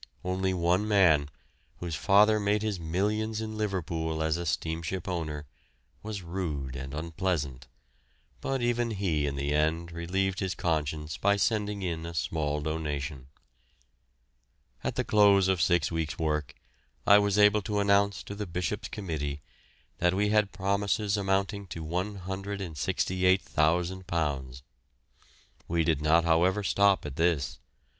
Only one man, whose father made his millions in Liverpool as a steamship owner, was rude and unpleasant, but even he in the end relieved his conscience by sending in a small donation. At the close of six weeks' work I was able to announce to the Bishop's Committee that we had promises amounting to £168,000. We did not, however, stop at this.